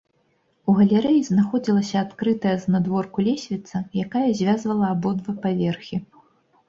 У галерэі знаходзілася адкрытая знадворку лесвіца, якая звязвала абодва паверхі.